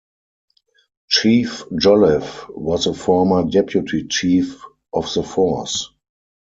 Chief Jolliffe was a former Deputy Chief of the force.